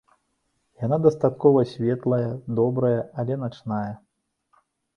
Яна дастаткова светлая, добрая, але начная.